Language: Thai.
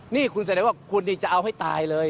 นี่คุณแสดงว่าคุณนี่จะเอาให้ตายเลย